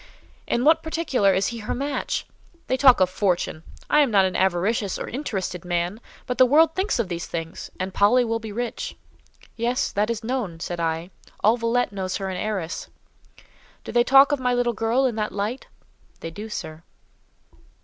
"In what particular is he her match? They talk of fortune! I am not an avaricious or interested man, but the world thinks of these things—and Polly will be rich." "Yes, that is known," said I: "all Villette knows her as an heiress." "Do they talk of my little girl in that light?" "They do, sir."